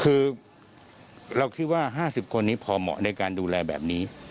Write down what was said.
คือเราคิดว่า๕๐คนนี้พอเหมาะในการดูแลแบบนี้